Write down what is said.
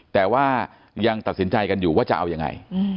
แต่ว่ายังตัดสินใจกันอยู่ว่าจะเอายังไง